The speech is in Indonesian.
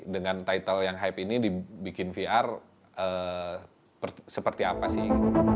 dengan title yang hype ini dibikin vr seperti apa sih gitu